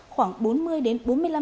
khoảng bốn mươi đến bốn mươi năm